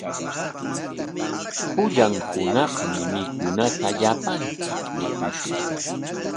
Pullan hunaqmi mikunata llapanchik mikushun.